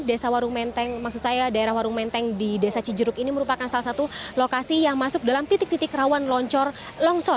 desa warung menteng maksud saya daerah warung menteng di desa cijeruk ini merupakan salah satu lokasi yang masuk dalam titik titik rawan longsor